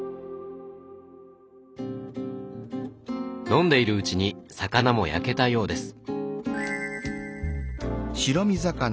飲んでいるうちに魚も焼けたようです。